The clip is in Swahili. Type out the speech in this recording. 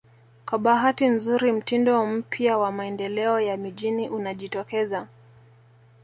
Kwa bahati nzuri mtindo mpya wa maendeleo ya mijini unajitokeza